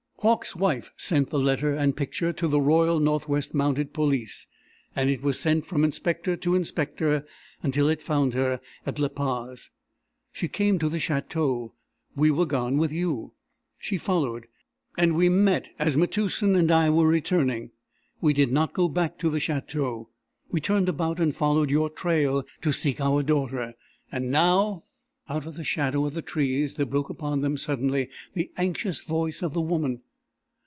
Hauck's wife sent the letter and picture to the Royal Northwest Mounted Police, and it was sent from inspector to inspector, until it found her at Le Pas. She came to the Château. We were gone with you. She followed, and we met as Metoosin and I were returning. We did not go back to the Château. We turned about and followed your trail, to seek our daughter. And now...." Out of the shadow of the trees there broke upon them suddenly the anxious voice of the woman.